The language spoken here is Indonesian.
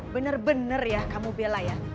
bener bener ya kamu bella ya